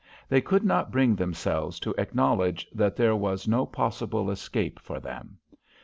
They could not bring themselves to acknowledge that there was no possible escape for them.